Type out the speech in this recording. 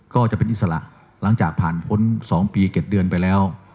ก็จะเป็นอิสระหลังจากผ่านพ้น๒ปี๗เดือนไปแล้ว